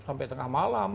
sampai tengah malam